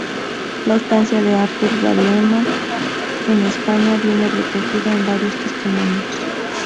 La estancia de Arturo Belano en España viene recogida en varios testimonios.